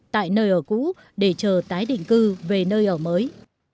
tại nơi ở cũ để chờ tái định cư về nơi ở mới